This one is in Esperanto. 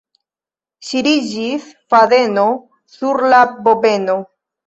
Ŝiriĝis fadeno sur la bobeno.